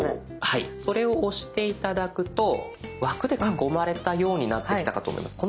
はいそれを押して頂くと枠で囲まれたようになってきたかと思います。